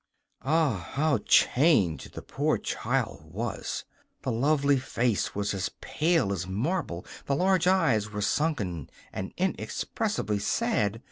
Ah, how changed the poor child was! The lovely face was as pale as marble; the large eyes were sunken and inexpressibly sad.